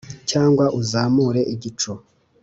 cyangwa uzamure igicu,